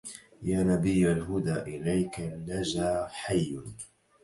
يا نبي الهدى إليك لجا حي